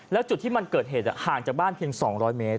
แล้วจุดที่มันเกิดเหตุห่างจากบ้านเพียง๒๐๐เมตร